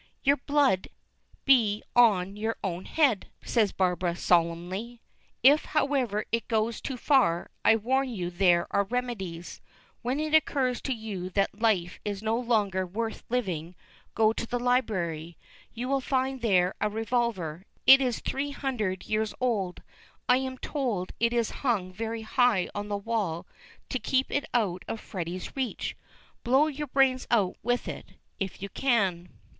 "Your blood be on your own head," says Barbara, solemnly. "If, however, it goes too far, I warn you there are remedies. When it occurs to you that life is no longer worth living, go to the library; you will find there a revolver. It is three hundred years old, I'm told, and it is hung very high on the wall to keep it out of Freddy's reach. Blow your brains out with it if you can."